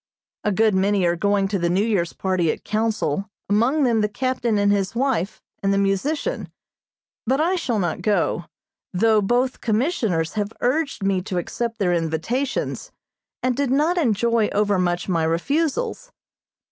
A good many are going to the New Year's party at Council, among them the captain and his wife, and the musician; but I shall not go, though both commissioners have urged me to accept their invitations, and did not enjoy overmuch my refusals.